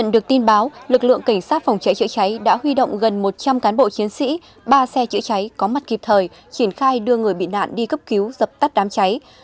người dân khu vực đã huy động gần một trăm linh cán bộ chiến sĩ ba xe chữa cháy có mặt kịp thời triển khai đưa người bị nạn đi cấp cứu dập tắt đám cháy